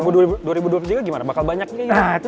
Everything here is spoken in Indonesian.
dua ribu dua puluh dua juga gimana bakal banyaknya ya